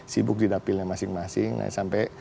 sibuk didapilnya masing masing sampai